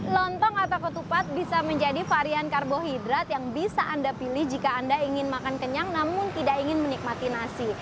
lontong atau ketupat bisa menjadi varian karbohidrat yang bisa anda pilih jika anda ingin makan kenyang namun tidak ingin menikmati nasi